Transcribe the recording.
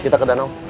kita ke danau